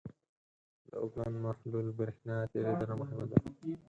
د اوبلن محلول برېښنا تیریدنه مهمه ده.